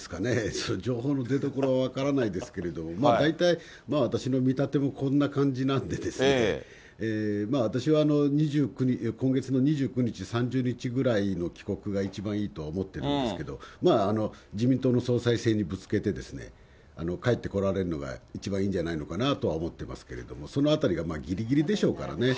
それ、情報の出どころは分からないですけど、大体、私の見立てもこんな感じなんでですね、まあ私は今月の２９日、３０日ぐらいの帰国が一番いいとは思ってるんですけど、まあ、自民党の総裁選にぶつけて、帰って来られるのが一番いいんじゃないのかなと思ってますけれども、そのあたりがぎりぎりでしょうからね。